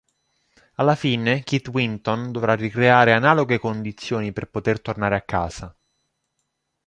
Alla fine, Keith Winton dovrà ricreare analoghe condizioni per poter tornare a casa.